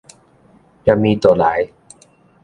連鞭就來